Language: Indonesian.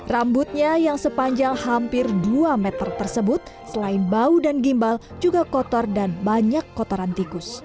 rambutnya yang sepanjang hampir dua meter tersebut selain bau dan gimbal juga kotor dan banyak kotoran tikus